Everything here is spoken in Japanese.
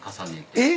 えっ？